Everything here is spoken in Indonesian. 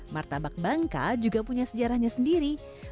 martabak bangka juga punya sejarahnya sendiri